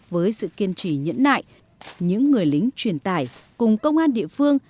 với sự kiên trì nhẫn nại những người lính truyền tải cùng công an địa phương